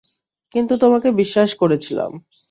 কিন্তু তোমাকে বিশ্বাস করেছিলাম!